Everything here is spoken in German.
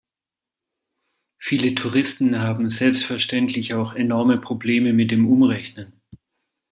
Viele Touristen haben selbstverständlich auch enorme Probleme mit dem Umrechnen.